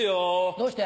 どうして？